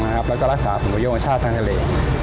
และรักษาภูมิโยคชาติทางทะเล